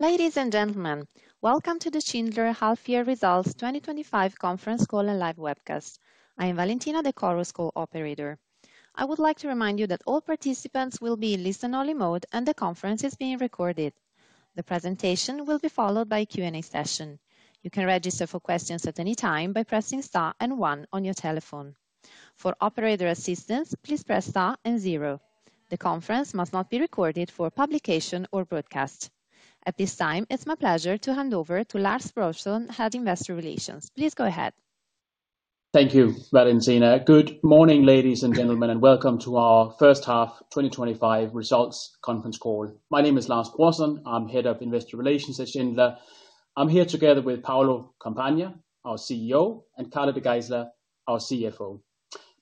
Ladies and gentlemen, welcome to the Schindler half year results 2025 conference call and live webcast. I am Valentina De Coro, call operator. I would like to remind you that all participants will be in listen-only mode and the conference is being recorded. The presentation will be followed by a Q&A session. You can register for questions at any time by pressing star and one on your telephone. For operator assistance, please press star and zero. The conference must not be recorded for publication or broadcast. At this time, it's my pleasure to hand over to Lars Brorson, Head of Investor Relations. Please go ahead. Thank you, Valentina. Good morning, ladies and gentlemen, and welcome to our first half 2025 Results Conference Call. My name is Lars Brorson. I'm Head of Investor Relations at Schindler. I'm here together with Paolo Compagna, our CEO, and Carla De Geyseleer, our CFO.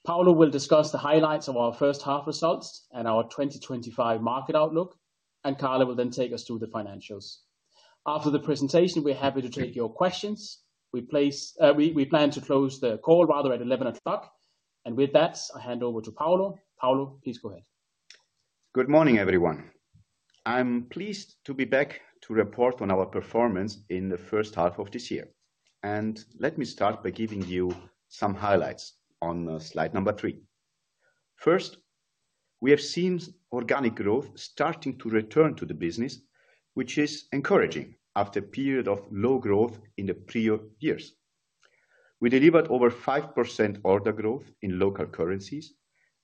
Paolo will discuss the highlights of our First Half results and our 2025 market outlook, and Carla will then take us through the financials. After the presentation, we're happy to take your questions. We plan to close the call, rather, at 11:00 A.M., and with that, I hand over to Paolo. Paolo, please go ahead. Good morning, everyone. I'm pleased to be back to report on our performance in the first half of this year, and let me start by giving you some highlights on slide number three. First, we have seen organic growth starting to return to the business, which is encouraging after a period of low growth in the previous years. We delivered over 5% order growth in local currencies,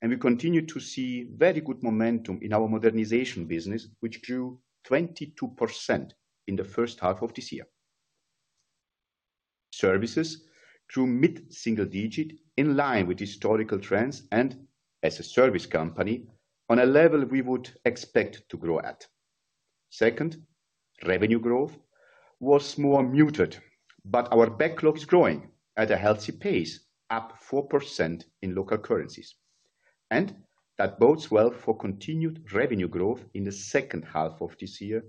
and we continue to see very good momentum in our modernization business, which grew 22% in the first half of this year. Services grew mid-single digit in line with historical trends and, as a service company, on a level we would expect to grow at. Second, revenue growth was more muted, but our backlog is growing at a healthy pace, up 4% in local currencies, and that bodes well for continued revenue growth in the second half of this year,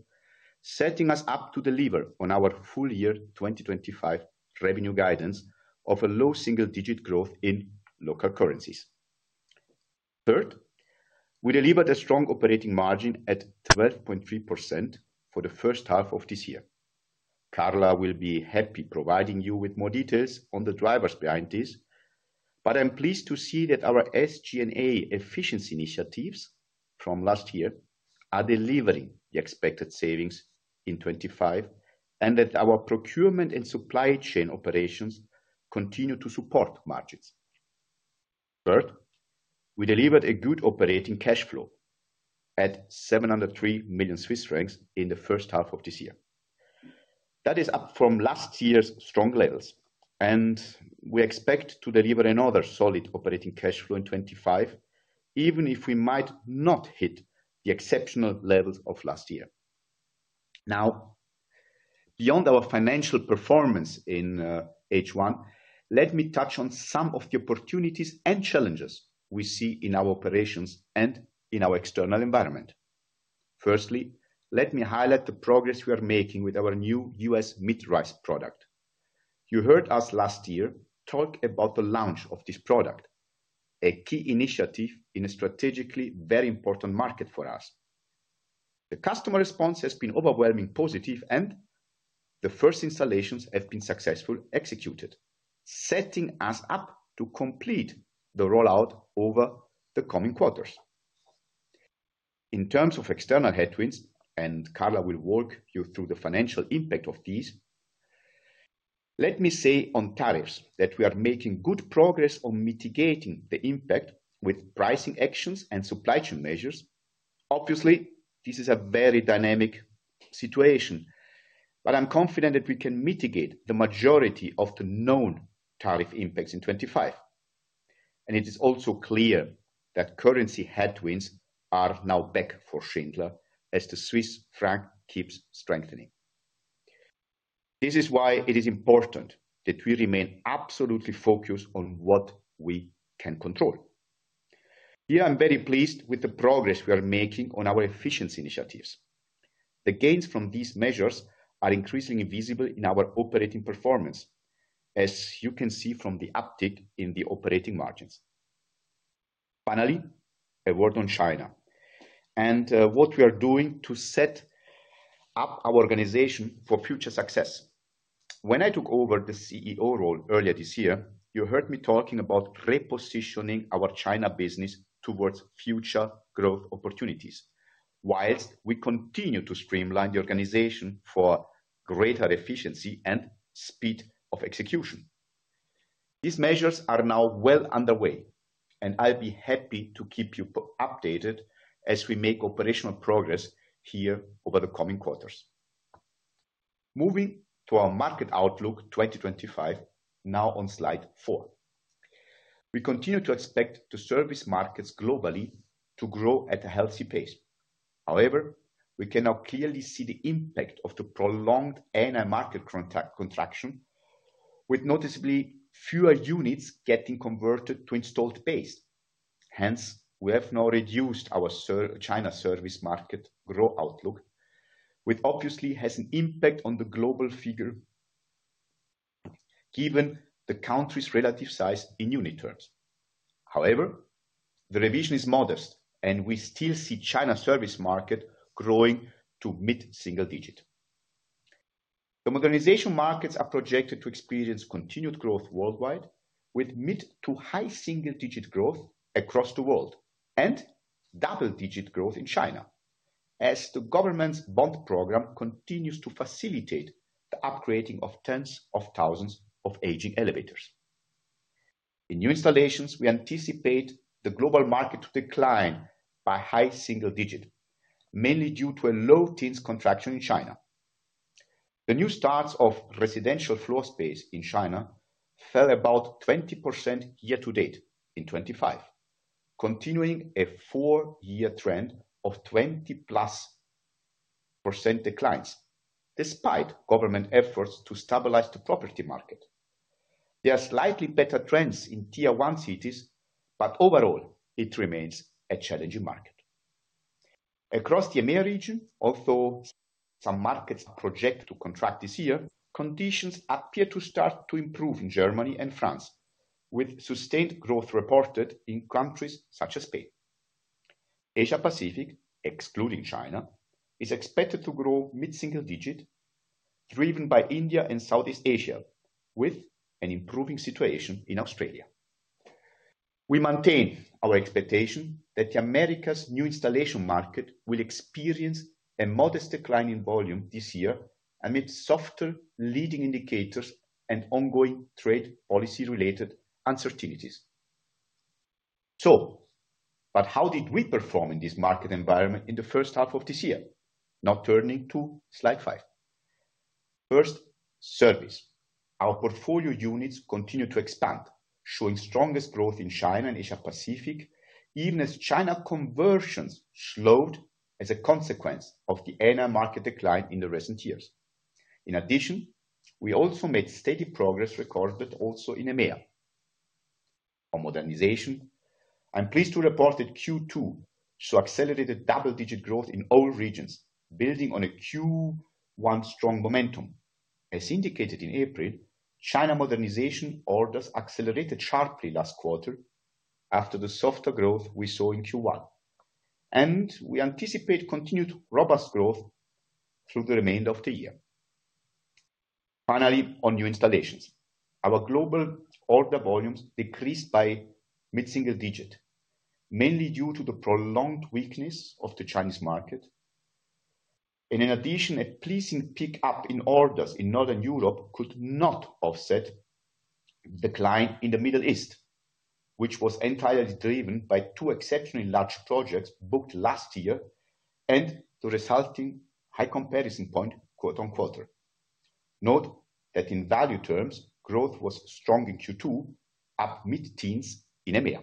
setting us up to deliver on our full year 2025 revenue guidance of a low single-digit growth in local currencies. Third, we delivered a strong operating margin at 12.3% for the first half of this year. Carla will be happy providing you with more details on the drivers behind this, but I'm pleased to see that our SG&A efficiency initiatives from last year are delivering the expected savings in 2025 and that our procurement and supply chain operations continue to support margins. Third, we delivered a good operating cash flow at 703 million Swiss francs in the first half of this year. That is up from last year's strong levels, and we expect to deliver another solid operating cash flow in 2025, even if we might not hit the exceptional levels of last year. Now, beyond our financial performance in H1, let me touch on some of the opportunities and challenges we see in our operations and in our external environment. Firstly, let me highlight the progress we are making with our new U.S. Midrise product. You heard us last year talk about the launch of this product, a key initiative in a strategically very important market for us. The customer response has been overwhelmingly positive, and the first installations have been successfully executed, setting us up to complete the rollout over the coming quarters. In terms of external headwinds, and Carla will walk you through the financial impact of these, let me say on tariffs that we are making good progress on mitigating the impact with pricing actions and supply chain measures. Obviously, this is a very dynamic situation, but I'm confident that we can mitigate the majority of the known tariff impacts in 2025. It is also clear that currency headwinds are now back for Schindler as the Swiss franc keeps strengthening. This is why it is important that we remain absolutely focused on what we can control. Here, I'm very pleased with the progress we are making on our efficiency initiatives. The gains from these measures are increasingly visible in our operating performance, as you can see from the uptick in the operating margins. Finally, a word on China and what we are doing to set up our organization for future success. When I took over the CEO role earlier this year, you heard me talking about repositioning our China business towards future growth opportunities, whilst we continue to streamline the organization for greater efficiency and speed of execution. These measures are now well underway, and I'll be happy to keep you updated as we make operational progress here over the coming quarters. Moving to our market outlook 2025, now on slide four. We continue to expect the service markets globally to grow at a healthy pace. However, we can now clearly see the impact of the prolonged NI market contraction, with noticeably fewer units getting converted to installed base. Hence, we have now reduced our China service market growth outlook, which obviously has an impact on the global figure. Given the country's relative size in unit terms. However, the revision is modest, and we still see the China service market growing to mid-single digit. The modernization markets are projected to experience continued growth worldwide, with mid to high single-digit growth across the world and double-digit growth in China, as the government's bond program continues to facilitate the upgrading of tens of thousands of aging elevators. In new installations, we anticipate the global market to decline by high single digit, mainly due to a low teens contraction in China. The new starts of residential floor space in China fell about 20% year-to-date in 2025, continuing a four-year trend of 20% plus declines, despite government efforts to stabilize the property market. There are slightly better trends in Tier 1 cities, but overall, it remains a challenging market. Across the EMEA region, although some markets are projected to contract this year, conditions appear to start to improve in Germany and France, with sustained growth reported in countries such as Spain. Asia-Pacific, excluding China, is expected to grow mid-single digit, driven by India and Southeast Asia, with an improving situation in Australia. We maintain our expectation that America's new installation market will experience a modest decline in volume this year amid softer leading indicators and ongoing trade policy-related uncertainties. But how did we perform in this market environment in the first half of this year? Now turning to slide five. First, service. Our portfolio units continue to expand, showing strongest growth in China and Asia-Pacific, even as China conversions slowed as a consequence of the NI market decline in the recent years. In addition, we also made steady progress recorded also in EMEA. On modernization, I'm pleased to report that Q2 saw accelerated double-digit growth in all regions, building on a Q1 strong momentum. As indicated in April, China modernization orders accelerated sharply last quarter after the softer growth we saw in Q1. We anticipate continued robust growth through the remainder of the year. Finally, on new installations, our global order volumes decreased by mid-single digit, mainly due to the prolonged weakness of the Chinese market. In addition, a pleasing pick-up in orders in Northern Europe could not offset the decline in the Middle East, which was entirely driven by two exceptionally large projects booked last year and the resulting high comparison point quarter-on-quarter. Note that in value terms, growth was strong in Q2, up mid-teens in EMEA.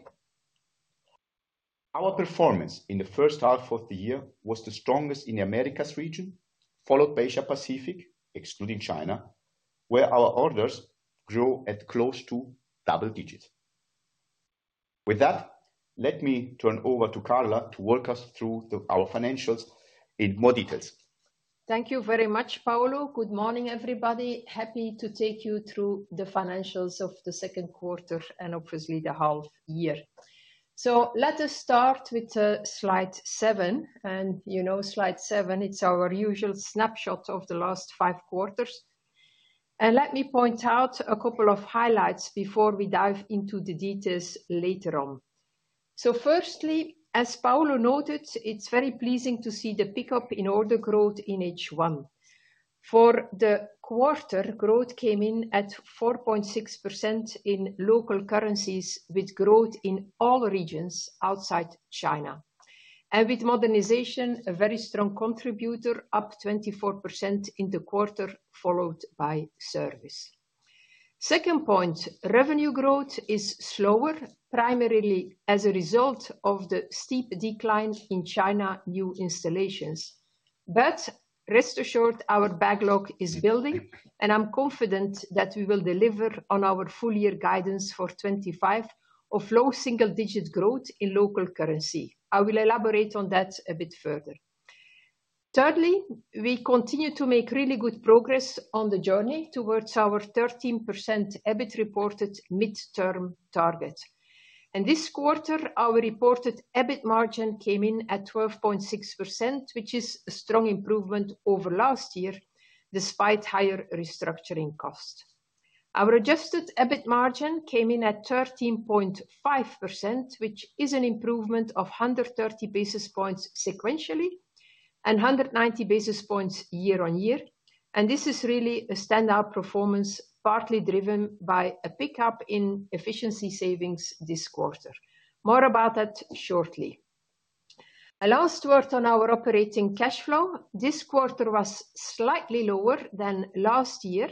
Our performance in the first half of the year was the strongest in Americas region, followed by Asia-Pacific, excluding China, where our orders grew at close to double digits. With that, let me turn over to Carla to walk us through our financials in more details. Thank you very much, Paolo. Good morning, everybody. Happy to take you through the financials of the second quarter and obviously the half-year. Let us start with slide seven. And you know slide seven, it's our usual snapshot of the last five quarters. And let me point out a couple of highlights before we dive into the details later on. Firstly, as Paolo noted, it's very pleasing to see the pick-up in order growth in H1. For the quarter, growth came in at 4.6% in local currencies, with growth in all regions outside China. And with modernization, a very strong contributor, up 24% in the quarter, followed by service. Second point, revenue growth is slower, primarily as a result of the steep decline in China new installations. But rest assured, our backlog is building, and I'm confident that we will deliver on our full-year guidance for 2025 of low single-digit growth in local currency. I will elaborate on that a bit further. Thirdly, we continue to make really good progress on the journey towards our 13% EBITDA reported mid-term target. And this quarter, our reported EBITDA margin came in at 12.6%, which is a strong improvement over last year despite higher restructuring costs. Our adjusted EBITDA margin came in at 13.5%, which is an improvement of 130 basis points sequentially and 190 basis points year-on-year. And this is really a standout performance, partly driven by a pick-up in efficiency savings this quarter. More about that shortly. Last word on our operating cash flow. This quarter was slightly lower than last year,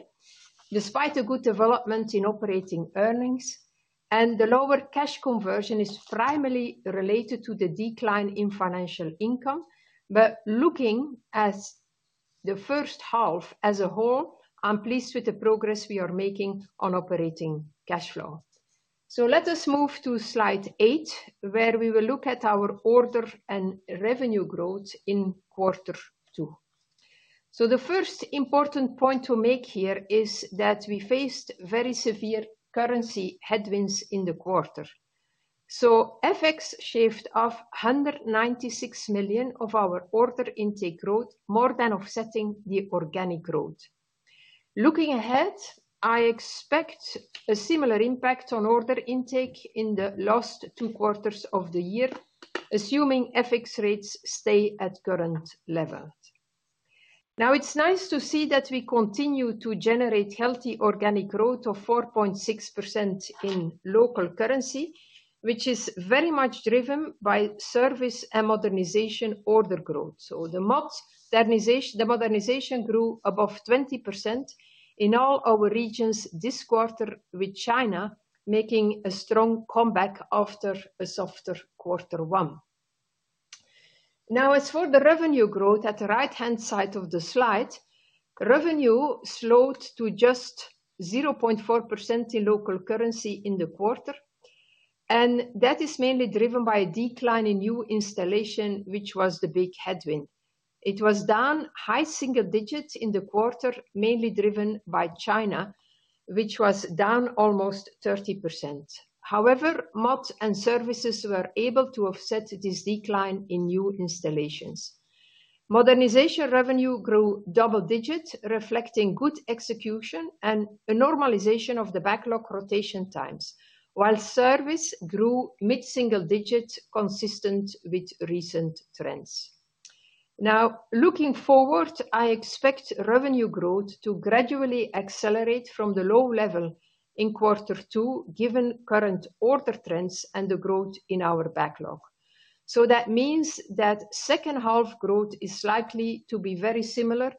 despite a good development in operating earnings. And the lower cash conversion is primarily related to the decline in financial income. But looking at the first half as a whole, I'm pleased with the progress we are making on operating cash flow. Let us move to slide eight, where we will look at our order and revenue growth in quarter two. The first important point to make here is that we faced very severe currency headwinds in the quarter. FX shaved off 196 million of our order intake growth, more than offsetting the organic growth. Looking ahead, I expect a similar impact on order intake in the last two quarters of the year, assuming FX rates stay at current levels. Now, it's nice to see that we continue to generate healthy organic growth of 4.6% in local currency, which is very much driven by service and modernization order growth. The modernization grew above 20% in all our regions this quarter, with China making a strong comeback after a softer quarter one. Now, as for the revenue growth at the right-hand side of the slide, revenue slowed to just 0.4% in local currency in the quarter. And that is mainly driven by a decline in new installations, which was the big headwind. It was down high single digits in the quarter, mainly driven by China, which was down almost 30%. However, mods and services were able to offset this decline in new installations. Modernization revenue grew double-digit, reflecting good execution and a normalization of the backlog rotation times, while service grew mid-single digit, consistent with recent trends. Now, looking forward, I expect revenue growth to gradually accelerate from the low level in quarter two, given current order trends and the growth in our backlog. That means that second half growth is likely to be very similar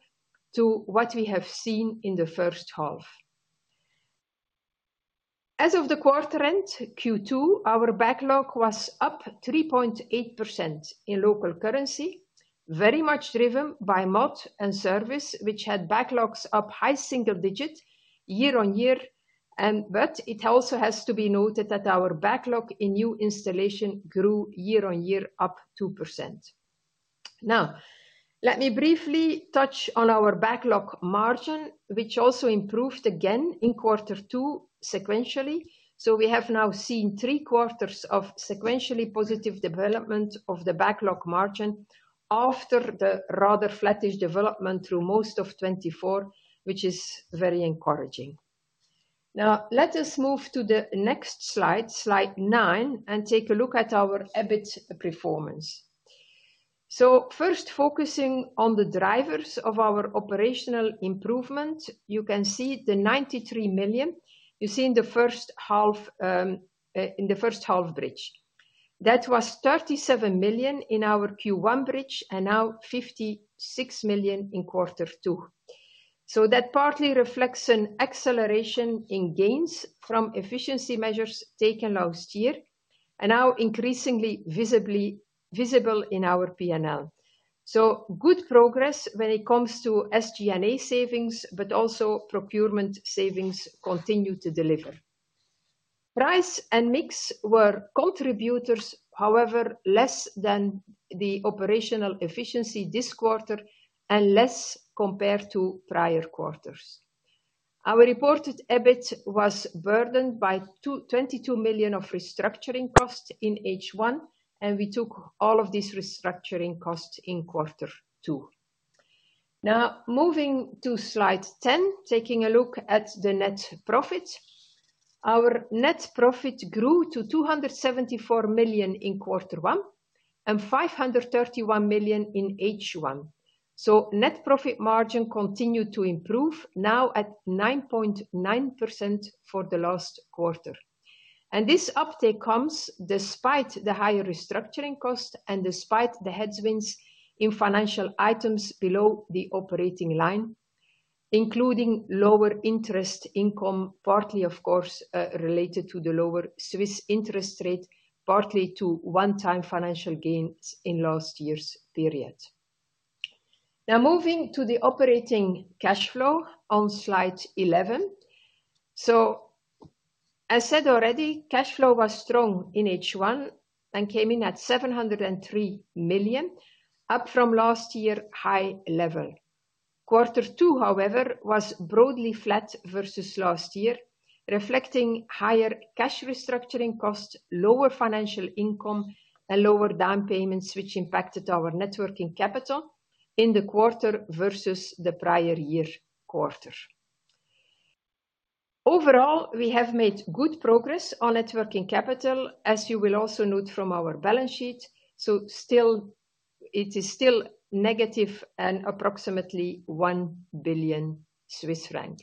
to what we have seen in the first half. As of the quarter end, Q2, our backlog was up 3.8% in local currency, very much driven by mods and service, which had backlogs up high single digit year-on-year. But it also has to be noted that our backlog in new installation grew year-on-year up 2%. Now, let me briefly touch on our backlog margin, which also improved again in quarter two sequentially. We have now seen three quarters of sequentially positive development of the backlog margin after the rather flattish development through most of 2024, which is very encouraging. Now, let us move to the next slide, slide nine, and take a look at our EBITDA performance. First, focusing on the drivers of our operational improvement, you can see the 93 million you see in the first half. In the first half bridge. That was 37 million in our Q1 bridge and now 56 million in quarter two. That partly reflects an acceleration in gains from efficiency measures taken last year and now increasingly visible in our P&L. Good progress when it comes to SG&A savings, but also procurement savings continue to deliver. Price and mix were contributors, however, less than the operational efficiency this quarter and less compared to prior quarters. Our reported EBITDA was burdened by 22 million of restructuring costs in H1, and we took all of these restructuring costs in quarter two. Now, moving to slide 10, taking a look at the net profit. Our net profit grew to 274 million in quarter one and 531 million in H1. Net profit margin continued to improve, now at 9.9% for the last quarter. And this uptake comes despite the higher restructuring costs and despite the headwinds in financial items below the operating line, including lower interest income, partly, of course, related to the lower Swiss interest rate, partly to one-time financial gains in last year's period. Now, moving to the operating cash flow on slide 11. As said already, cash flow was strong in H1 and came in at 703 million, up from last year's high level. Quarter two, however, was broadly flat versus last year, reflecting higher cash restructuring costs, lower financial income, and lower down payments, which impacted our working capital in the quarter versus the prior year quarter. Overall, we have made good progress on working capital, as you will also note from our balance sheet. It is still negative and approximately 1 billion Swiss franc.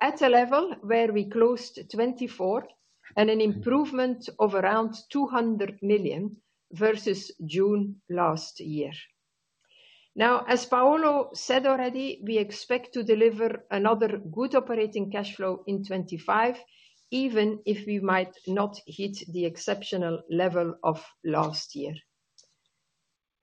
At a level where we closed 2024 and an improvement of around 200 million versus June last year. Now, as Paolo said already, we expect to deliver another good operating cash flow in 2025, even if we might not hit the exceptional level of last year.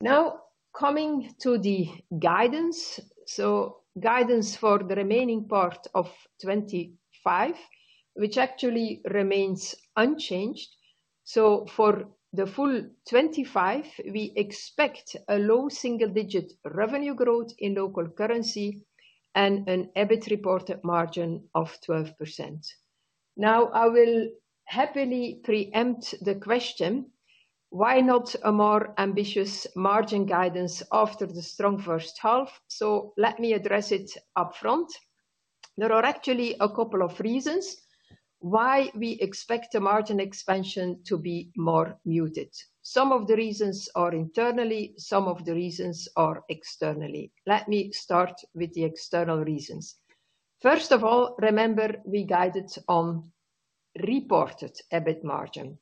Now, coming to the guidance, so guidance for the remaining part of 2025, which actually remains unchanged. For the full 2025, we expect a low single-digit revenue growth in local currency and an EBITDA reported margin of 12%. Now, I will happily preempt the question, why not a more ambitious margin guidance after the strong first half? Let me address it upfront. There are actually a couple of reasons why we expect the margin expansion to be more muted. Some of the reasons are internally, some of the reasons are externally. Let me start with the external reasons. First of all, remember we guided on reported EBITDA margin.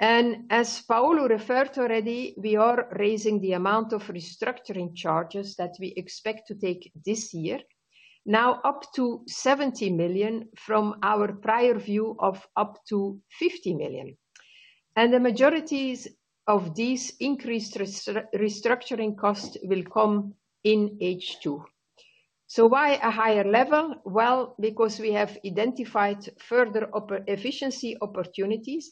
And as Paolo referred to already, we are raising the amount of restructuring charges that we expect to take this year, now up to 70 million from our prior view of up to 50 million. And the majority of these increased restructuring costs will come in H2. Why a higher level? Well, because we have identified further efficiency opportunities,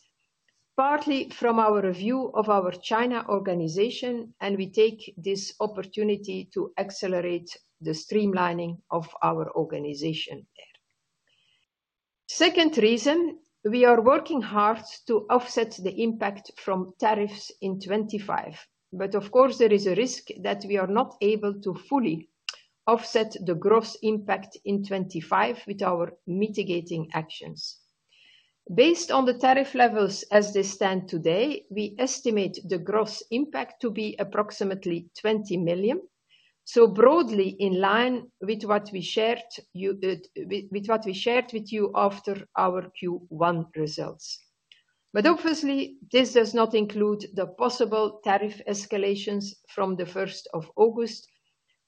partly from our review of our China organization, and we take this opportunity to accelerate the streamlining of our organization there. Second reason, we are working hard to offset the impact from tariffs in 2025. But of course, there is a risk that we are not able to fully offset the gross impact in 2025 with our mitigating actions. Based on the tariff levels as they stand today, we estimate the gross impact to be approximately 20 million. Broadly in line with what we shared with you after our Q1 results. But obviously, this does not include the possible tariff escalations from the 1st of August.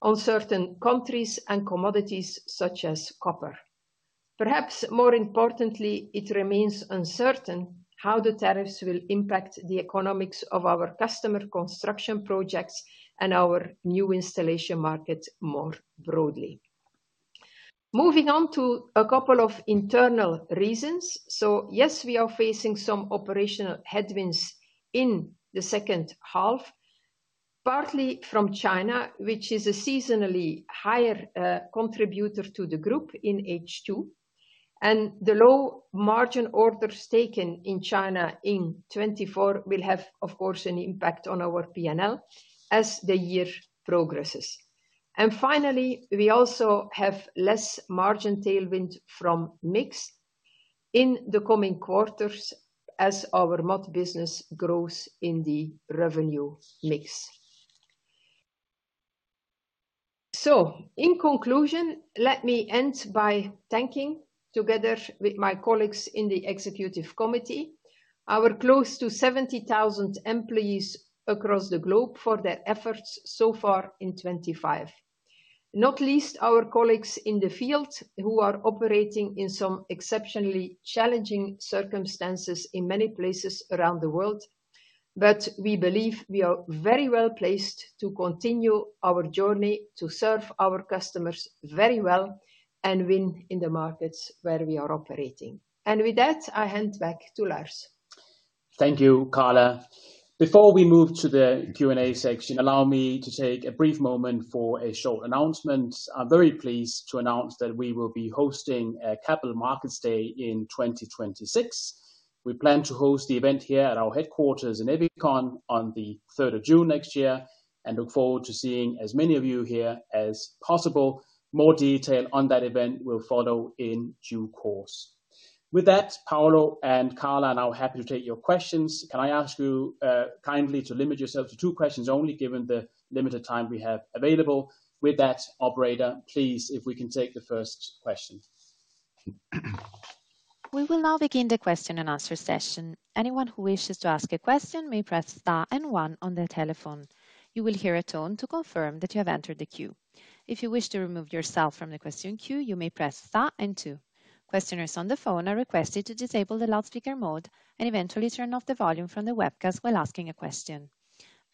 On certain countries and commodities such as copper. Perhaps more importantly, it remains uncertain how the tariffs will impact the economics of our customer construction projects and our new installation market more broadly. Moving on to a couple of internal reasons. Yes, we are facing some operational headwinds in the second half. Partly from China, which is a seasonally higher contributor to the group in H2. And the low margin orders taken in China in 2024 will have, of course, an impact on our P&L as the year progresses. And finally, we also have less margin tailwind from mix in the coming quarters as our mod business grows in the revenue mix. In conclusion, let me end by thanking together with my colleagues in the executive committee our close to 70,000 employees across the globe for their efforts so far in 2025. Not least our colleagues in the field who are operating in some exceptionally challenging circumstances in many places around the world. We believe we are very well placed to continue our journey to serve our customers very well and win in the markets where we are operating. With that, I hand back to Lars. Thank you, Carla. Before we move to the Q&A section, allow me to take a brief moment for a short announcement. I'm very pleased to announce that we will be hosting a Capital Markets Day in 2026. We plan to host the event here at our headquarters in Ebikon on the 3rd of June next year and look forward to seeing as many of you here as possible. More detail on that event will follow in due course. With that, Paolo and Carla, I'm now happy to take your questions. Can I ask you kindly to limit yourselves to two questions only, given the limited time we have available? With that, operator, please, if we can take the first question. We will now begin the question and answer session. Anyone who wishes to ask a question may press star and one on their telephone. You will hear a tone to confirm that you have entered the queue. If you wish to remove yourself from the question queue, you may press star and two. Questioners on the phone are requested to disable the loudspeaker mode and eventually turn off the volume from the webcast while asking a question.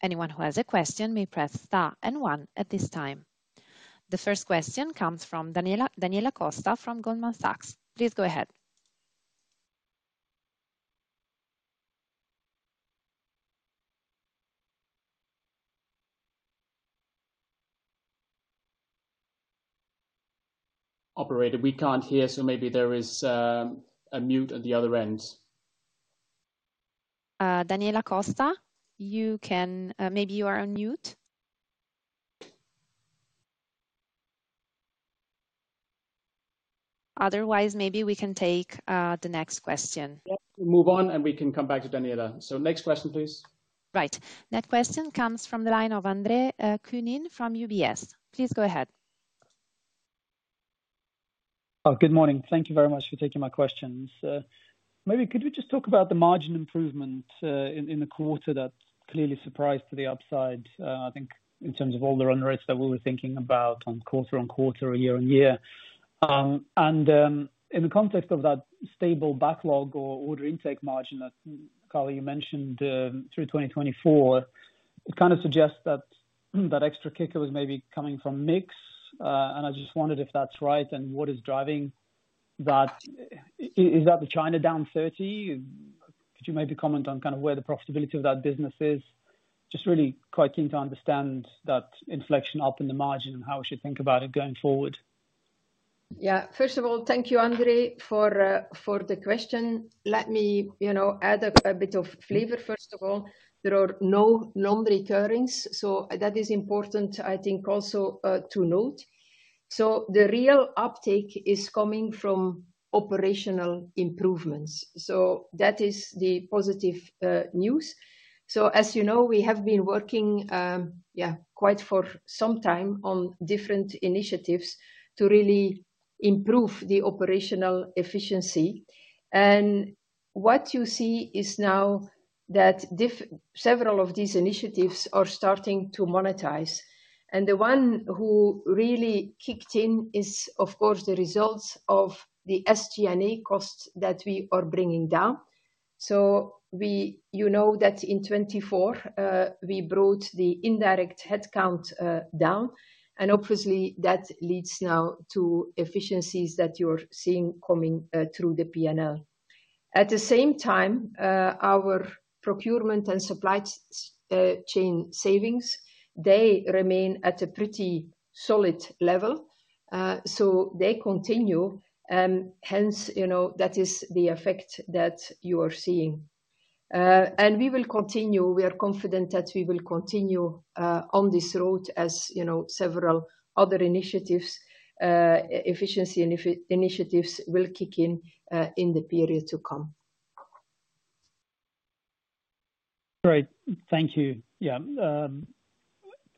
Anyone who has a question may press star and one at this time. The first question comes from Daniela Costa from Goldman Sachs. Please go ahead. Operator, we can't hear, so maybe there is a mute at the other end. Daniela Costa, maybe you are on mute. Otherwise, maybe we can take the next question. Move on and we can come back to Daniela. Next question, please. Right. That question comes from the line of André Counin from UBS. Please go ahead. Good morning. Thank you very much for taking my questions. Maybe could we just talk about the margin improvement in the quarter that clearly surprised to the upside, I think, in terms of all the run rates that we were thinking about on quarter on quarter or year on year. In the context of that stable backlog or order intake margin that Carla, you mentioned through 2024. It kind of suggests that that extra kicker was maybe coming from mix. I just wondered if that's right and what is driving that. Is that the China down 30%? Could you maybe comment on kind of where the profitability of that business is? Just really quite keen to understand that inflection up in the margin and how we should think about it going forward. Yeah. First of all, thank you, André, for the question. Let me add a bit of flavor. First of all, there are no non-recurrings, so that is important, I think, also to note. The real uptake is coming from operational improvements. That is the positive news. So as you know, we have been working, yeah, quite for some time on different initiatives to really improve the operational efficiency. And what you see is now that several of these initiatives are starting to monetize. And the one who really kicked in is, of course, the results of the SG&A costs that we are bringing down. So you know that in 2024, we brought the indirect headcount down. And obviously, that leads now to efficiencies that you're seeing coming through the P&L. At the same time, our procurement and supply chain savings, they remain at a pretty solid level. So they continue. And hence, you know, that is the effect that you are seeing. And we will continue. We are confident that we will continue on this road as several other initiatives. Efficiency initiatives will kick in in the period to come. Great. Thank you. Yeah.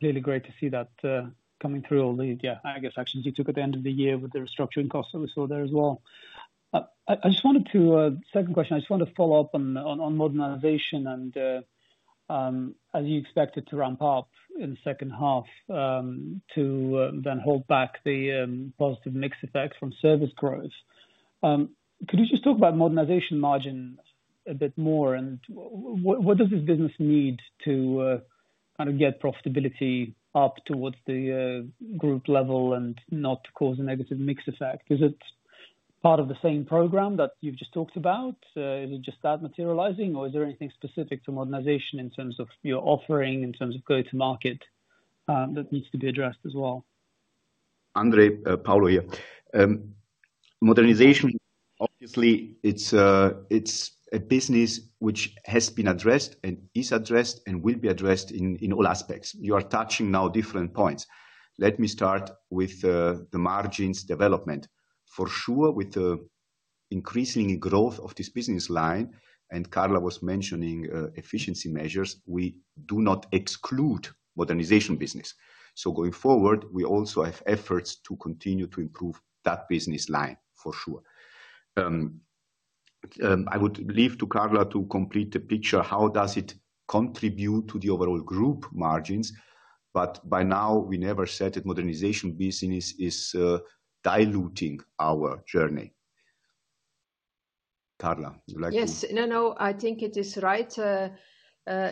Clearly great to see that coming through all the, yeah, I guess, actions you took at the end of the year with the restructuring costs that we saw there as well. I just wanted to, second question, I just wanted to follow up on modernization and. As you expected to ramp up in the second half to then hold back the positive mix effects from service growth. Could you just talk about modernization margin a bit more? And what does this business need to kind of get profitability up towards the group level and not cause a negative mix effect? Is it part of the same program that you've just talked about? Is it just that materializing, or is there anything specific to modernization in terms of your offering, in terms of go-to-market that needs to be addressed as well? André, Paolo here. Modernization, obviously, it's a business which has been addressed and is addressed and will be addressed in all aspects. You are touching now different points. Let me start with the margins development. For sure, with the increasing growth of this business line, and Carla was mentioning efficiency measures, we do not exclude modernization business. So going forward, we also have efforts to continue to improve that business line, for sure. I would leave to Carla to complete the picture. How does it contribute to the overall group margins? But by now, we never said that modernization business is diluting our journey. Carla, you like to? Yes. No, no, I think it is right.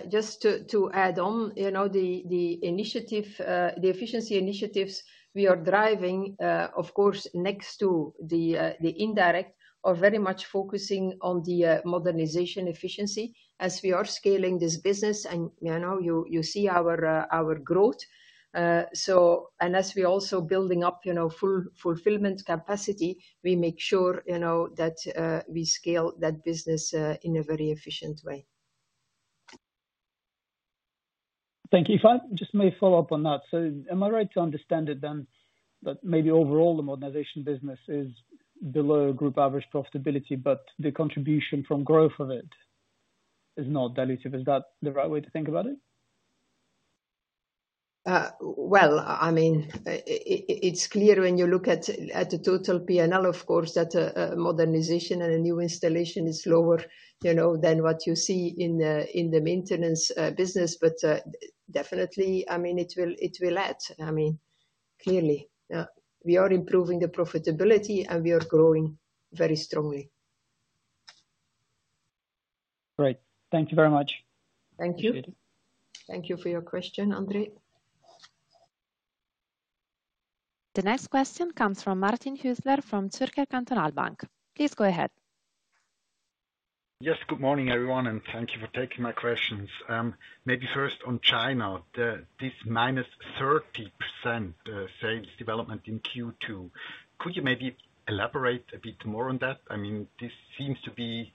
Just to add on, the efficiency initiatives we are driving, of course, next to the indirect, are very much focusing on the modernization efficiency as we are scaling this business. And you see our growth. And as we are also building up fulfillment capacity, we make sure that we scale that business in a very efficient way. Thank you. If I just may follow up on that, so am I right to understand it then that maybe overall the modernization business is below group average profitability, but the contribution from growth of it is not dilutive? Is that the right way to think about it? I mean, it's clear when you look at the total P&L, of course, that modernization and a new installation is lower than what you see in the maintenance business. But definitely, I mean, it will add. I mean, clearly, we are improving the profitability and we are growing very strongly. Great. Thank you very much. Thank you. Thank you for your question, André. The next question comes from Martin Husler from Zürcher Kantonalbank. Please go ahead. Yes, good morning, everyone, and thank you for taking my questions. Maybe first on China, this -30% sales development in Q2. Could you maybe elaborate a bit more on that? I mean, this seems to be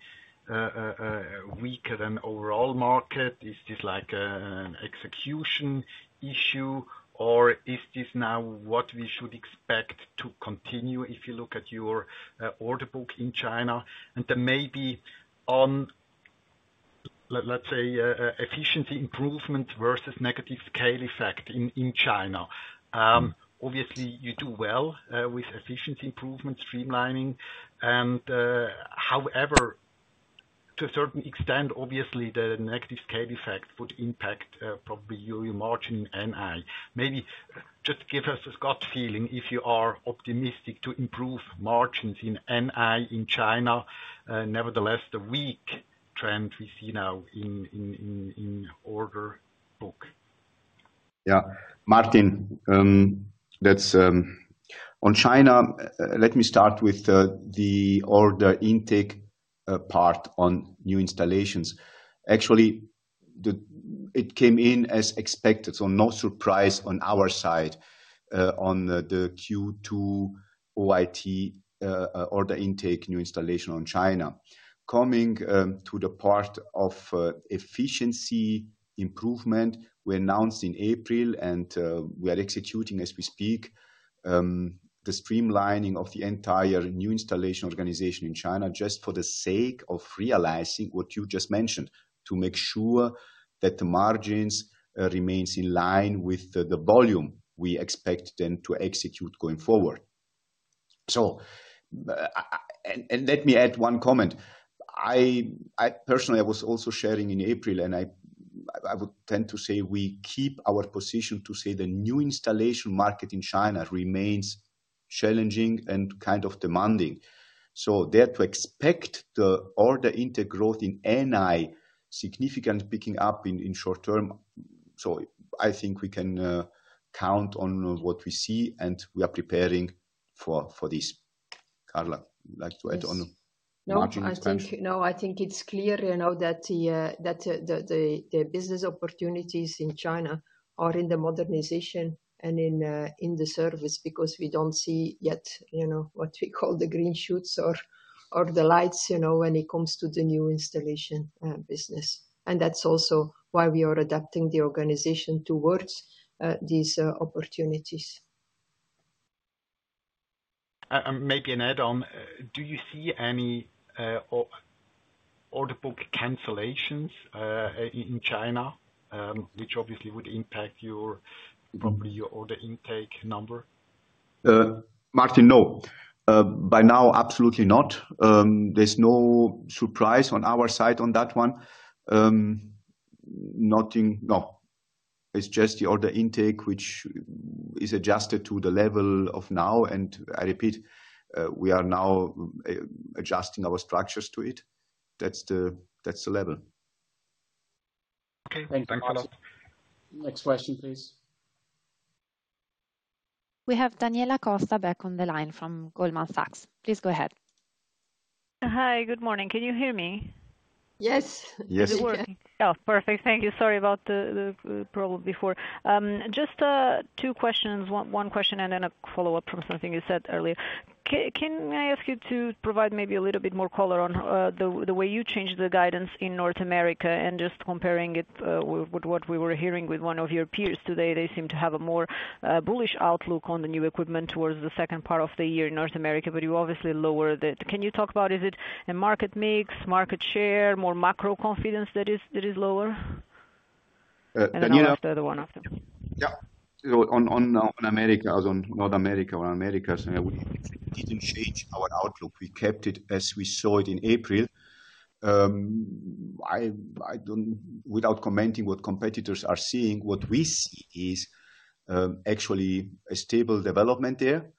weaker than the overall market. Is this like an execution issue, or is this now what we should expect to continue if you look at your order book in China? And then maybe on, let's say, efficiency improvement versus negative scale effect in China. Obviously, you do well with efficiency improvement, streamlining. However, to a certain extent, obviously, the negative scale effect would impact probably your margin in NI. Maybe just give us a gut feeling if you are optimistic to improve margins in NI in China. Nevertheless, the weak trend we see now in order book. Yeah, Martin. On China, let me start with the order intake part on new installations. Actually, it came in as expected, so no surprise on our side on the Q2 OIT order intake, new installation on China. Coming to the part of efficiency improvement, we announced in April, and we are executing as we speak the streamlining of the entire new installation organization in China just for the sake of realizing what you just mentioned, to make sure that the margins remain in line with the volume we expect them to execute going forward. And let me add one comment. Personally, I was also sharing in April, and I would tend to say we keep our position to say the new installation market in China remains challenging and kind of demanding. There to expect the order intake growth in NI significantly picking up in short term. I think we can count on what we see, and we are preparing for this. Carla, would you like to add on? No, I think it's clear that the business opportunities in China are in the modernization and in the service because we don't see yet what we call the green shoots or the lights when it comes to the new installation business. And that's also why we are adapting the organization towards these opportunities. Maybe an add-on. Do you see any order book cancellations in China, which obviously would impact your order intake number? Martin, no. By now, absolutely not. There's no surprise on our side on that one. Nothing. It's just the order intake, which is adjusted to the level of now. I repeat, we are now adjusting our structures to it. That's the level. Okay. Thanks, Carla. Next question, please. We have Daniela Costa back on the line from Goldman Sachs. Please go ahead. Hi, good morning. Can you hear me? Yes. Yes, we can. Perfect. Thank you. Sorry about the problem before. Just two questions, one question and then a follow-up from something you said earlier. Can I ask you to provide maybe a little bit more color on the way you changed the guidance in North America and just comparing it with what we were hearing with one of your peers today? They seem to have a more bullish outlook on the new equipment towards the second part of the year in North America, but you obviously lowered it. Can you talk about, is it a market mix, market share, more macro confidence that is lower? Then after the one after. Yeah. On America, as on North America or America, we didn't change our outlook. We kept it as we saw it in April. Without commenting what competitors are seeing, what we see is actually a stable development there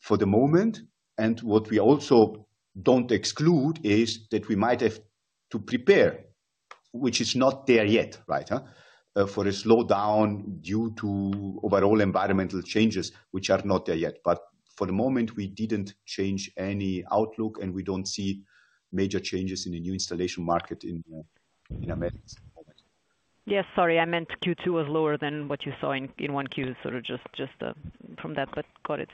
for the moment. What we also don't exclude is that we might have to prepare, which is not there yet, right, for a slowdown due to overall environmental changes, which are not there yet. But for the moment, we didn't change any outlook, and we don't see major changes in the new installation market in America. Yes, sorry. I meant Q2 was lower than what you saw in Q1, sort of just from that, but got it.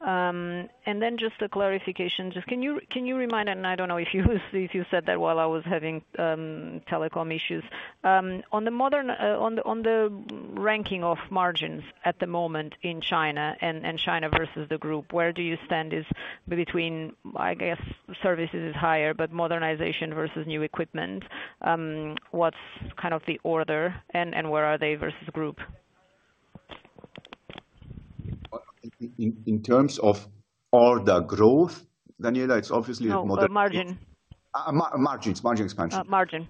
Then just a clarification. Just can you remind, and I don't know if you said that while I was having telecom issues. On the ranking of margins at the moment in China and China versus the group, where do you stand? It's between, I guess, services is higher, but modernization versus new equipment. What's kind of the order, and where are they versus group? In terms of order growth, Daniela, it's obviously a modern. Oh, margin. Margin, it's margin expansion. Margin.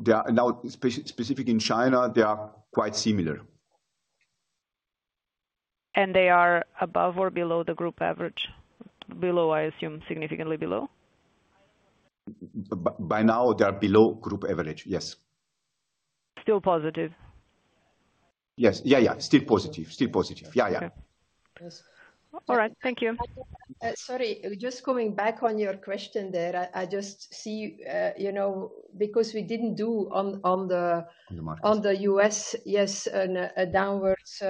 Now, specifically in China, they are quite similar. Are they above or below the group average? Below, I assume, significantly below? By now, they are below group average, yes. Still positive? Yes. Yeah, yeah. Still positive. Still positive. Yeah, yeah. Okay. All right. Thank you. Sorry, just coming back on your question there, I just see. Because we didn't do on the U.S., yes, a downwards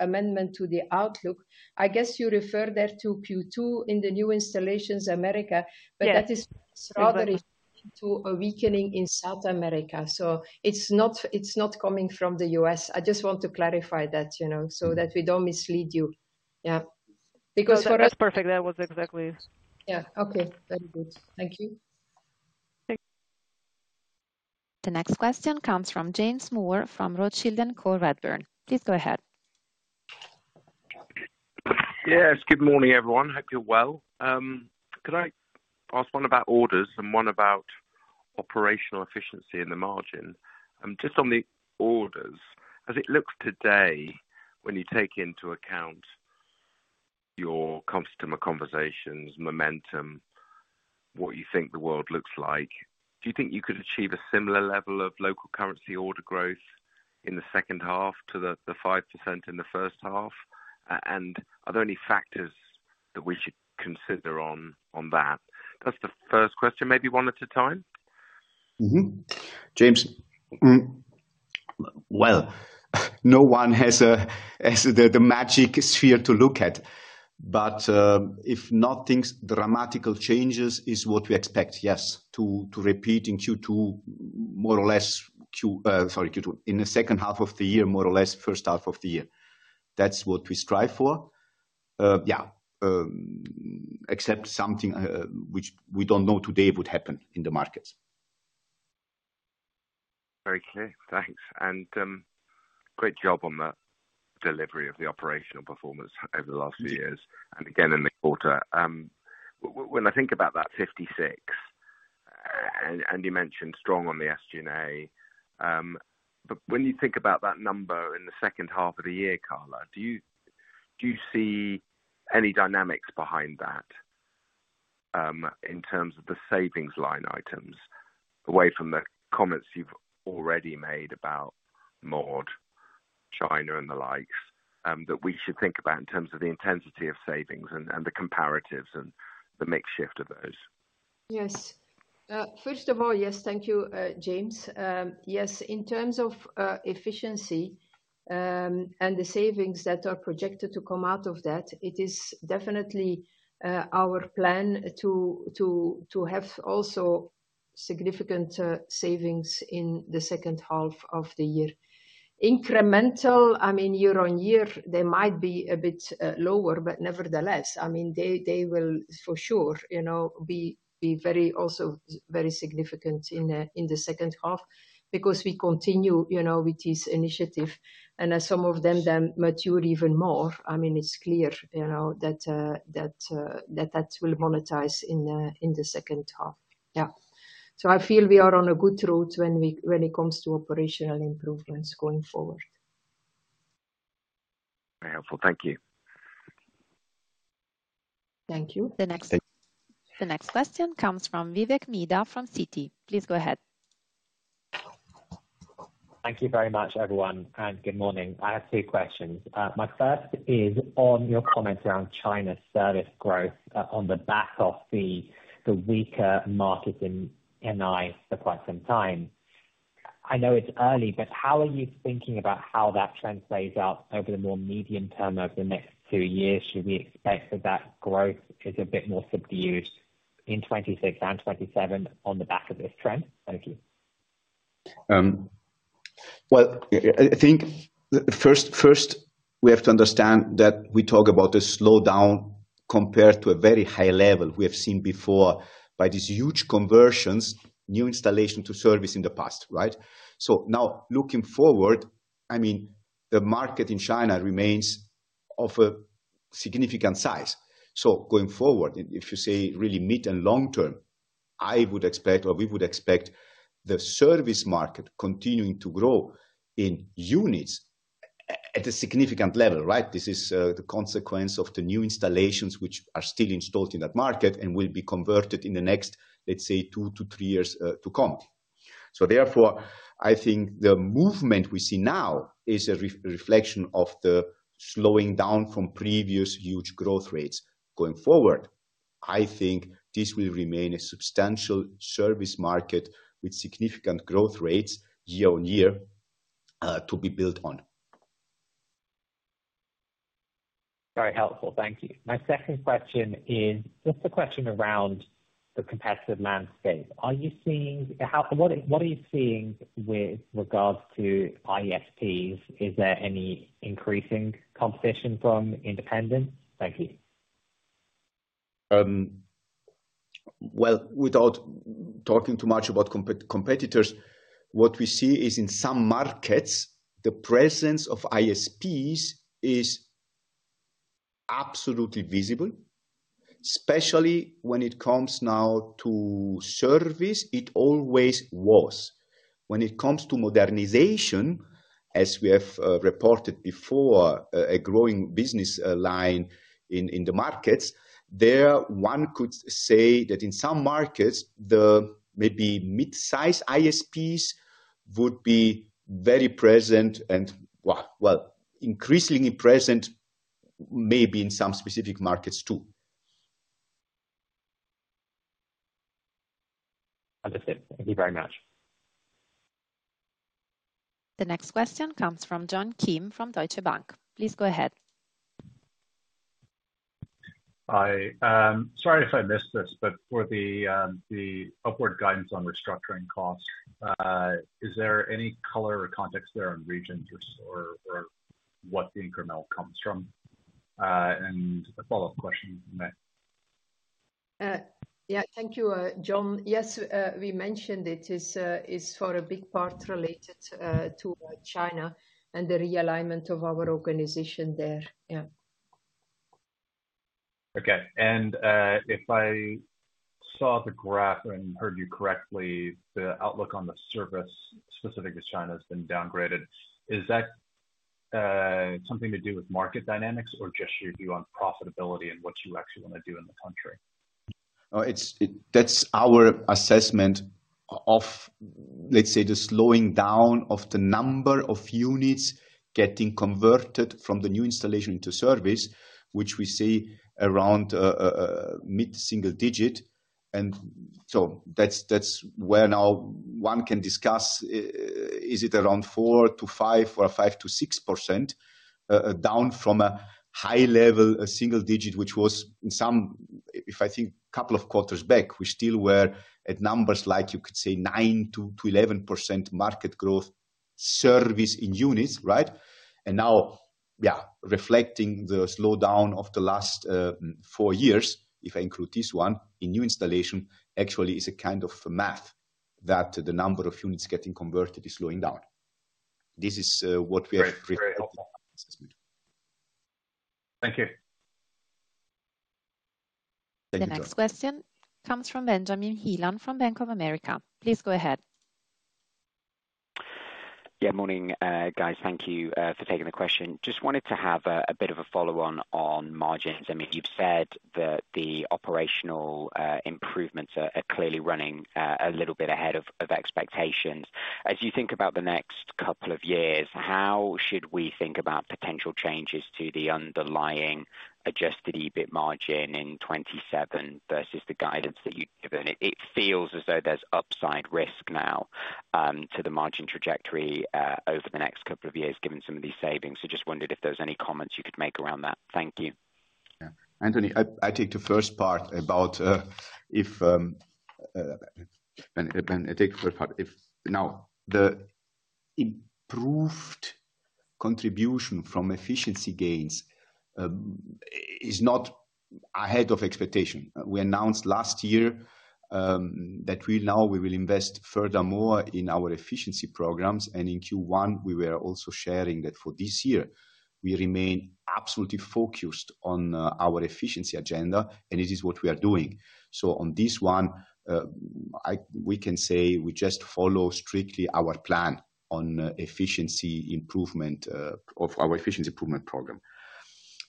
amendment to the outlook. I guess you refer there to Q2 in the new installations America, but that is rather to a weakening in South America. So it's not coming from the U.S. I just want to clarify that so that we don't mislead you. Yeah. Because for us. That's perfect. That was exactly. Yeah. Okay. Very good. Thank you. Thank you. The next question comes from James Moore from Rothschild and Co Redburn. Please go ahead. Yes. Good morning, everyone. Hope you're well. Could I ask one about orders and one about operational efficiency and the margin? Just on the orders, as it looks today, when you take into account your customer conversations, momentum, what you think the world looks like, do you think you could achieve a similar level of local currency order growth in the second half to the 5% in the first half? And are there any factors that we should consider on that? That's the first question, maybe one at a time. James, well, no one has the magic sphere to look at, but if nothing's dramatical changes is what we expect, yes, to repeat in Q2, more or less. Sorry, Q2, in the second half of the year, more or less first half of the year. That's what we strive for. Yeah, except something which we don't know today would happen in the markets. Okay. Thanks. Great job on the delivery of the operational performance over the last few years and again, in the quarter. When I think about that 56 and you mentioned strong on the SG&A, but when you think about that number in the second half of the year, Carla, do you see any dynamics behind that in terms of the savings line items away from the comments you've already made about MOD China and the likes that we should think about in terms of the intensity of savings and the comparatives and the mix shift of those? Yes. First of all, yes, thank you, James. Yes, in terms of efficiency and the savings that are projected to come out of that, it is definitely our plan to have also significant savings in the second half of the year. Incremental, I mean, year on year, they might be a bit lower, but nevertheless, I mean, they will for sure be also very significant in the second half because we continue with this initiative. As some of them then mature even more, I mean, it's clear that that will monetize in the second half. Yeah, so I feel we are on a good route when it comes to operational improvements going forward. Very helpful. Thank you. Thank you. The next question comes from Vivek Midha from citi. Please go ahead. Thank you very much, everyone, and good morning. I have two questions. My first is on your comments around China's service growth on the back of the weaker market in NI for quite some time. I know it's early, but how are you thinking about how that translates out over the more medium term of the next two years? Should we expect that that growth is a bit more subdued in 2026 and 2027 on the back of this trend? Thank you. I think first we have to understand that we talk about the slowdown compared to a very high level we have seen before by these huge conversions, new installation to service in the past, right? Now looking forward, I mean, the market in China remains of a significant size. Going forward, if you say really mid and long term, I would expect, or we would expect, the service market continuing to grow in units. At a significant level, right? This is the consequence of the new installations, which are still installed in that market and will be converted in the next, let's say, two to three years to come. Therefore, I think the movement we see now is a reflection of the slowing down from previous huge growth rates going forward. I think this will remain a substantial service market with significant growth rates year on year. To be built on. Very helpful. Thank you. My second question is just a question around the competitive landscape. Are you seeing what are you seeing with regards to ISPs? Is there any increasing competition from independents? Thank you. Well, without talking too much about competitors, what we see is in some markets, the presence of ISPs is. Absolutely visible. Especially when it comes now to. Service, it always was. When it comes to modernization, as we have reported before, a growing business line in the markets, there one could say that in some markets, the maybe mid-size ISPs would be very present and, well, increasingly present. Maybe in some specific markets too. Understood. Thank you very much. The next question comes from John Kim from Deutsche Bank. Please go ahead. Hi. Sorry if I missed this, but for the. Upward guidance on restructuring costs. Is there any color or context there on regions or what the incremental comes from? And a follow-up question, you may. Yeah. Thank you, John. Yes, we mentioned it is for a big part related to China and the realignment of our organization there. Yeah. Okay. And if I saw the graph and heard you correctly, the outlook on the service specific to China has been downgraded. Is that. Something to do with market dynamics or just your view on profitability and what you actually want to do in the country? That's our assessment. Of, let's say, the slowing down of the number of units getting converted from the new installation into service, which we see around. A mid-single digit. And that's where now one can discuss. Is it around 4%-5% or 5%-6%? Down from a high-level single digit, which was in some, if I think, a couple of quarters back, we still were at numbers like you could say 9%-11% market growth. Service in units, right? And now, yeah, reflecting the slowdown of the last. Four years, if I include this one, in new installation, actually is a kind of math that the number of units getting converted is slowing down. This is what we have reflected. Thank you. Thank you. The next question comes from Benjamin Heelan from Bank of America. Please go ahead. Yeah. Morning, guys. Thank you for taking the question. Just wanted to have a bit of a follow-on on margins. I mean, you've said that the operational improvements are clearly running a little bit ahead of expectations. As you think about the next couple of years, how should we think about potential changes to the underlying adjusted EBITDA margin in 2027 versus the guidance that you've given? It feels as though there's upside risk now to the margin trajectory over the next couple of years given some of these savings. So just wondered if there's any comments you could make around that. Thank you. Yeah. Anthony, I take the first part. Now, the improved contribution from efficiency gains is not ahead of expectation. We announced last year that now we will invest furthermore in our efficiency programs. In Q1, we were also sharing that for this year, we remain absolutely focused on our efficiency agenda, and it is what we are doing. So on this one we can say we just follow strictly our plan on efficiency improvement of our efficiency improvement program.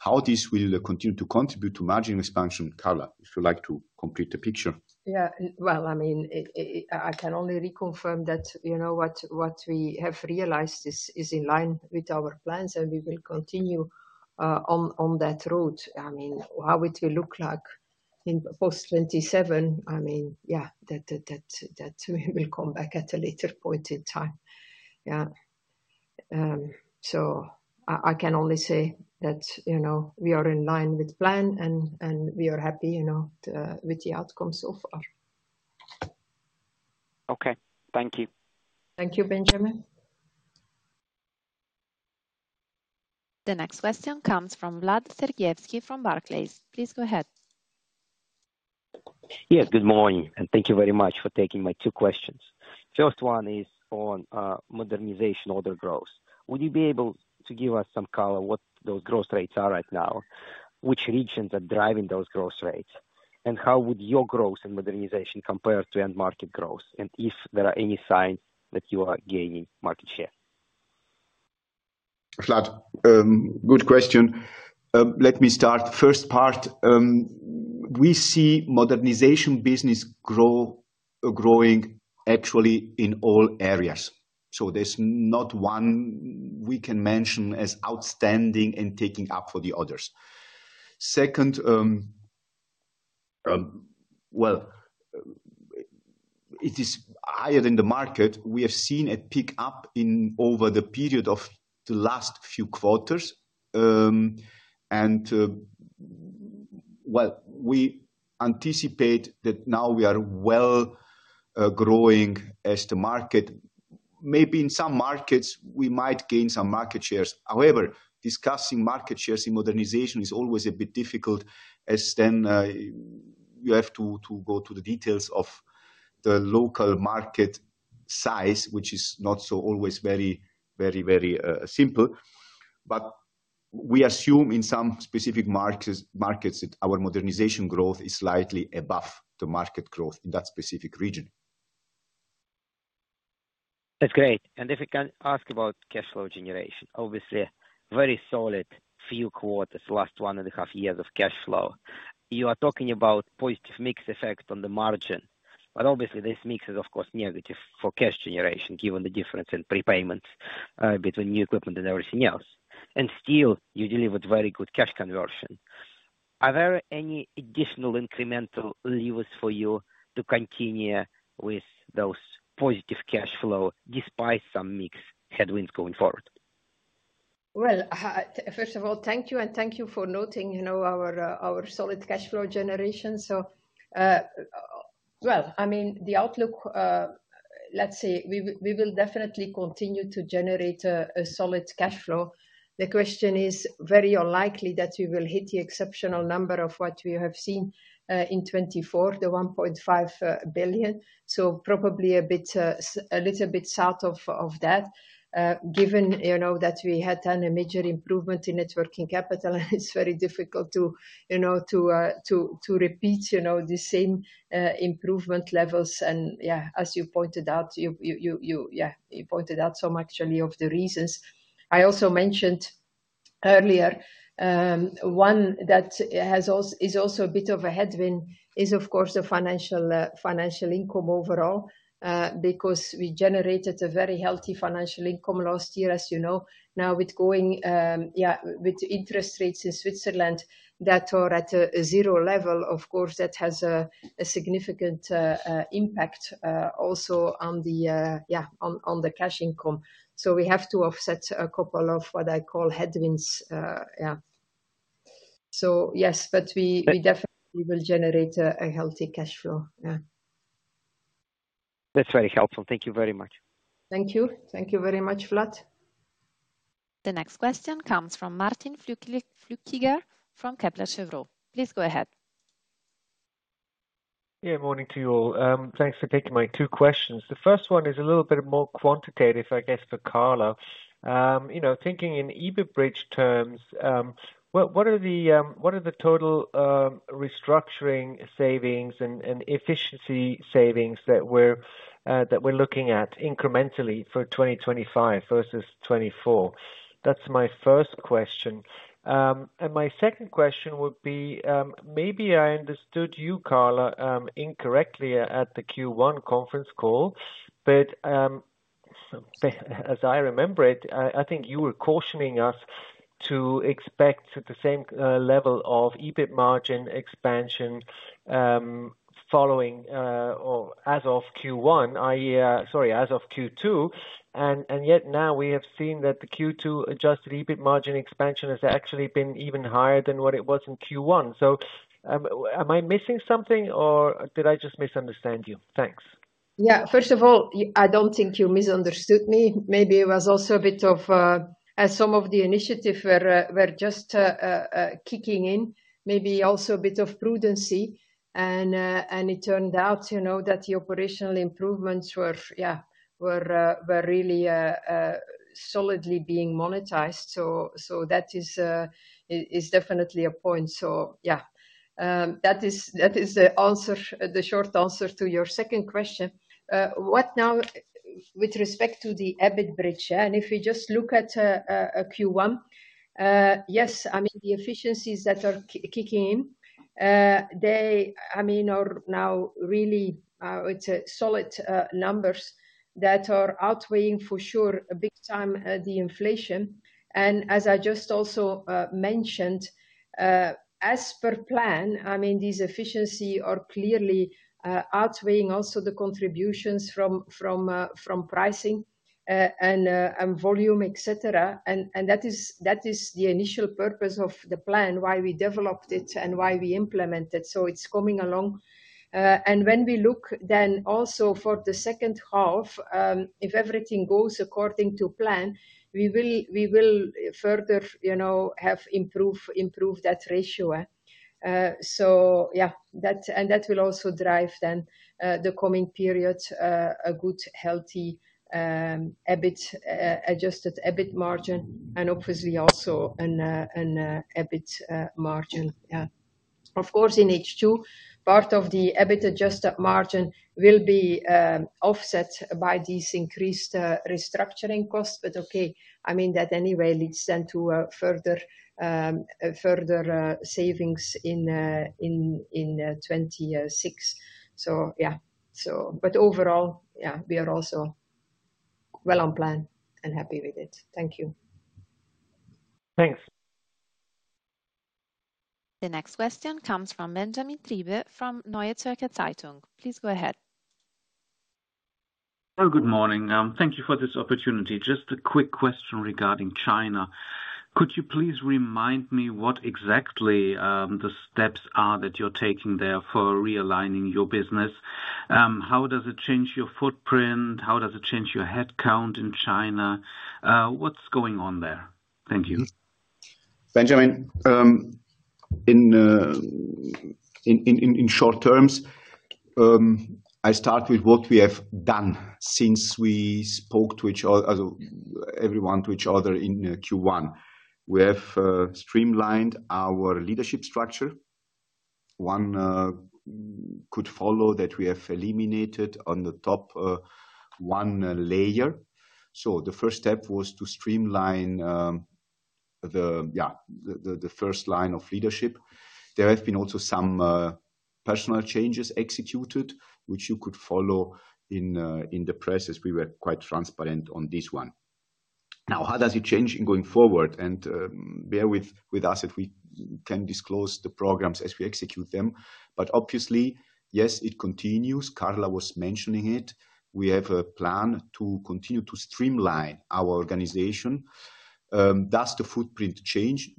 How this will continue to contribute to margin expansion, Carla, if you'd like to complete the picture. Yeah. I mean, I can only reconfirm that what we have realized is in line with our plans, and we will continue on that road. I mean, how it will look like in post 2027, I mean, yeah, that we will come back at a later point in time. Yeah. So I can only say that we are in line with plan, and we are happy with the outcomes so far. Okay. Thank you. Thank you, Benjamin. The next question comes from Vlad Sergievskiy from Barclays. Please go ahead. Yes. Good morning. Thank you very much for taking my two questions. First one is on modernization order growth. Would you be able to give us some color what those growth rates are right now, which regions are driving those growth rates, and how would your growth and modernization compare to end market growth, and if there are any signs that you are gaining market share? Vlad, good question. Let me start first part. We see modernization business growing actually in all areas. So there's not one we can mention as outstanding and taking up for the others. Second, it is higher than the market. We have seen a pick up in over the period of the last few quarters. We anticipate that now we are growing as the market. Maybe in some markets, we might gain some market shares. However, discussing market shares in modernization is always a bit difficult as then you have to go to the details of the local market size, which is not so always very, very, very simple. We assume in some specific markets that our modernization growth is slightly above the market growth in that specific region. That's great. If I can ask about cash flow generation, obviously, very solid few quarters, last one and a half years of cash flow. You are talking about positive mix effect on the margin. But obviously, this mix is, of course, negative for cash generation given the difference in prepayments between new equipment and everything else. Still, you delivered very good cash conversion. Are there any additional incremental levers for you to continue with those positive cash flow despite some mix headwinds going forward? First of all, thank you. Thank you for noting our solid cash flow generation. So. I mean, the outlook. Let's say we will definitely continue to generate a solid cash flow. The question is very unlikely that we will hit the exceptional number of what we have seen in 2024, the 1.5 billion. So probably a little bit south of that. Given that we had done a major improvement in working capital, and it's very difficult to repeat the same improvement levels. Yeah, as you pointed out. Yeah, you pointed out some actually of the reasons. I also mentioned earlier. One that is also a bit of a headwind is, of course, the financial income overall because we generated a very healthy financial income last year, as you know. Now, with going, yeah, with interest rates in Switzerland that are at a zero level, of course, that has a significant impact also on the yeah, on the cash income. So we have to offset a couple of what I call headwinds. Yeah. So yes, but we definitely will generate a healthy cash flow. Yeah. That's very helpful. Thank you very much. Thank you. Thank you very much, Vlad. The next question comes from Martin Flüeckiger from Kepler Cheuvreux. Please go ahead. Yeah. Morning to you all. Thanks for taking my two questions. The first one is a little bit more quantitative, I guess, for Carla. Thinking in EBITDA bridge terms. What are the total restructuring savings and efficiency savings that we're looking at incrementally for 2025 versus 2024? That's my first question. My second question would be, maybe I understood you, Carla, incorrectly at the Q1 conference call, but as I remember it, I think you were cautioning us to expect the same level of EBITDA margin expansion. Following or as of Q1, sorry, as of Q2. Yet now we have seen that the Q2 adjusted EBITDA margin expansion has actually been even higher than what it was in Q1. So. Am I missing something, or did I just misunderstand you? Thanks. Yeah. First of all, I don't think you misunderstood me. Maybe it was also a bit of. As some of the initiatives were just kicking in, maybe also a bit of prudency. It turned out that the operational improvements were, yeah. Were really solidly being monetized. So that is definitely a point. So yeah. That is the answer, the short answer to your second question. What now. With respect to the EBITDA bridge? If we just look at Q1. Yes, I mean, the efficiencies that are kicking in. They, I mean, are now really, it's solid numbers that are outweighing for sure a big time the inflation. As I just also mentioned. As per plan, I mean, these efficiencies are clearly outweighing also the contributions from pricing and volume, etc. That is the initial purpose of the plan, why we developed it and why we implemented. So it's coming along. When we look then also for the second half, if everything goes according to plan, we will further have improved that ratio. So yeah. That will also drive then the coming period a good, healthy adjusted EBITDA margin and obviously also an EBITDA margin. Yeah. Of course, in H2, part of the EBITDA adjusted margin will be offset by these increased restructuring costs. I mean, that anyway leads then to further savings in 2026. So yeah. Overall, yeah, we are also well on plan and happy with it. Thank you. Thanks. The next question comes from Benjamin Triebe from Neue Zürcher Zeitung. Please go ahead. Hello. Good morning. Thank you for this opportunity. Just a quick question regarding China. Could you please remind me what exactly the steps are that you're taking there for realigning your business? How does it change your footprint? How does it change your headcount in China? What's going on there? Thank you. Benjamin. In short terms. I start with what we have done since we spoke to each other, everyone to each other in Q1. We have streamlined our leadership structure. One could follow that we have eliminated on the top one layer. So the first step was to streamline the first line of leadership. There have been also some personal changes executed, which you could follow in the press as we were quite transparent on this one. Now, how does it change in going forward? Bear with us if we can disclose the programs as we execute them. Obviously, yes, it continues. Carla was mentioning it. We have a plan to continue to streamline our organization. Does the footprint change?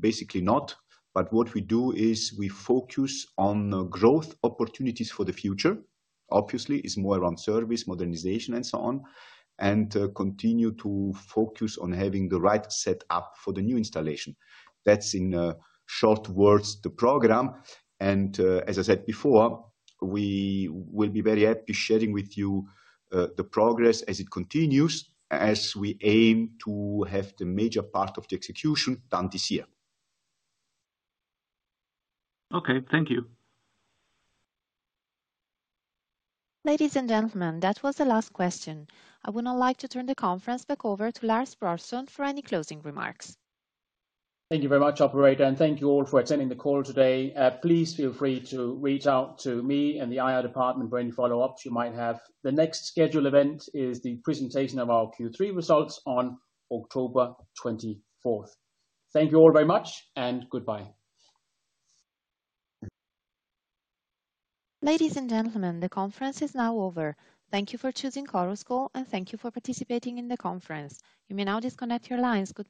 Basically not. What we do is we focus on growth opportunities for the future, obviously. It's more around service, modernization, and so on, and continue to focus on having the right setup for the new installation. That's in short words, the program. As I said before, we will be very happy sharing with you the progress as it continues as we aim to have the major part of the execution done this year. Okay. Thank you. Ladies and gentlemen, that was the last question. I would now like to turn the conference back over to Lars Brorson for any closing remarks. Thank you very much, Operator. Thank you all for attending the call today. Please feel free to reach out to me and the IR department for any follow-ups you might have. The next scheduled event is the presentation of our Q3 results on October 24th. Thank you all very much and goodbye. Ladies and gentlemen, the conference is now over. Thank you for choosing Chorus Call, and thank you for participating in the conference. You may now disconnect your lines. Good.